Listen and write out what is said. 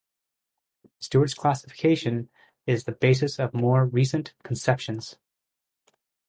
Stewart's classification is the basis of more recent conceptions.